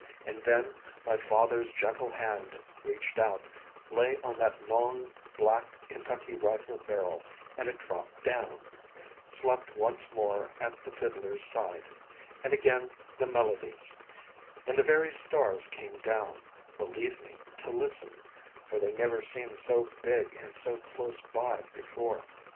And then my father's gentle hand reached out, lay on that long, black, Kentucky rifle barrel, and it dropped down, slept once more at the fiddler's side, and again the melodies; and the very stars came down, believe me, to listen, for they never seemed so big and so close by before.